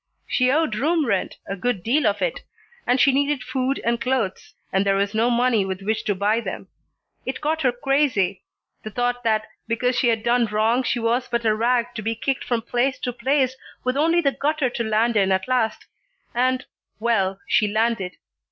She owed room rent, a good deal of it, and she needed food and clothes, and there was no money with which to buy them. It got her crazy, the thought that because she had done wrong she was but a rag to be kicked from place to place with only the gutter to land in at last, and well, she landed.